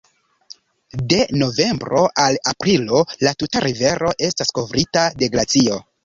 De novembro al aprilo la tuta rivero estas kovrita de glacio.